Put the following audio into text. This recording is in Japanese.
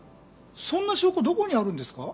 そんな証拠どこにあるんですか？